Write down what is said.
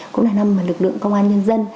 cũng là năm lực lượng công an nhân dân